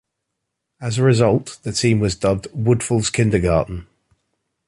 As a result, the team was dubbed "Woodfull's kindergarten".